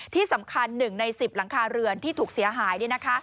ที่สำคัญ๑ใน๑๐หลังคาเรือนที่ถูกเสียหาย